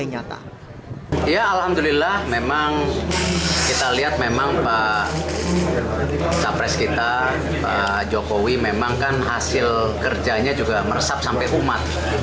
ya alhamdulillah memang kita lihat memang pak capres kita pak jokowi memang kan hasil kerjanya juga meresap sampai umat